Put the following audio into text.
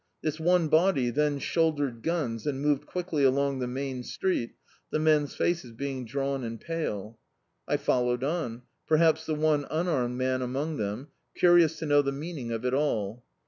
This me body then shouldered guns and moved quickly along ilie main street, the men's faces being drawn and pale. I followed on, peihaps the one unarmed man among them, curious to know the meaning of it all.